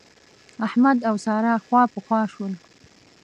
احمد او سارا خواپخوا شول.